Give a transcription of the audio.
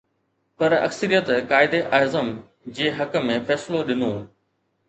پر اڪثريت قائداعظم جي حق ۾ فيصلو ڏنو.